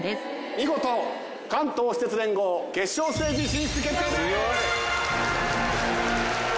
見事関東私鉄連合決勝ステージ進出決定です。